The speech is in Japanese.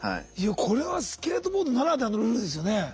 いやこれはスケートボードならではのルールですよね。